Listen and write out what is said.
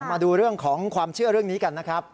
มาดูเรื่องของความเชื่อเรื่องนี้กันนะครับ